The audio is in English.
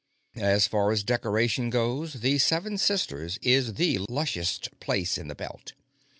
As far as decoration goes, the Seven Sisters is the lushest place in the Belt.